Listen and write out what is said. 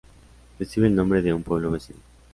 Recibe el nombre de un pueblo vecino.